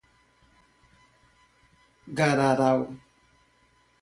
Gararu